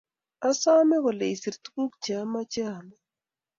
Asame kole isir tukuk che ameche amwa